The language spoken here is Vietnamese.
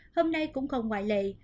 hôm nay cũng không ngoại lệ